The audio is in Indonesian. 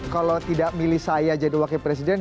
kalau tidak milih saya jadi wakil presiden